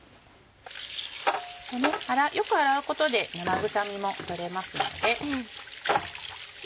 よく洗うことで生臭みも取れますので。